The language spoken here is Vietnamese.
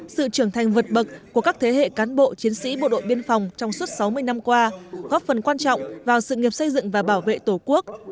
sự trưởng thành vượt bậc của các thế hệ cán bộ chiến sĩ bộ đội biên phòng trong suốt sáu mươi năm qua góp phần quan trọng vào sự nghiệp xây dựng và bảo vệ tổ quốc